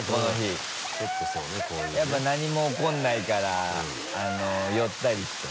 やっぱ何も起こらないから寄ったりして。